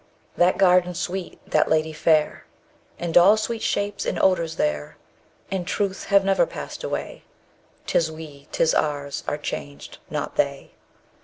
That garden sweet, that lady fair, _130 And all sweet shapes and odours there, In truth have never passed away: 'Tis we, 'tis ours, are changed; not they.